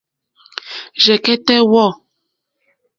Rzɛ̀kɛ́tɛ́ wɔ̂.